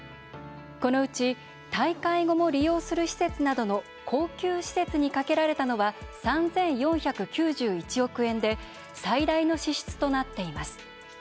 このうち大会後も利用する施設などの恒久施設にかけられたのは３４９１億円で最大の支出となっています。